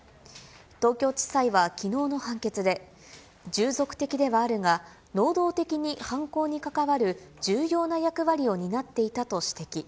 東京地裁はきのうの判決で、従属的ではあるが、能動的に犯行に関わる重要な役割を担っていたと指摘。